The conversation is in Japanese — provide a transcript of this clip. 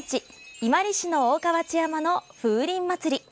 伊万里市の大川内山の風鈴まつり